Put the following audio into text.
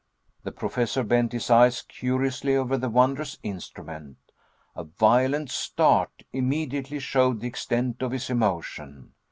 The Professor bent his eyes curiously over the wondrous instrument. A violent start immediately showed the extent of his emotion.